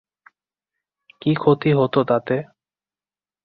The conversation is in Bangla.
কী ক্ষতি হত তাতে?